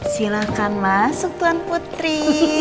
silahkan masuk tuan putri